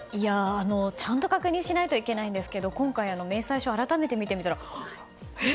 ちゃんと確認しないといけないんですが今回、明細書を改めて見てみたらえ？